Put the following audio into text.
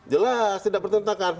jelas tidak bertentangan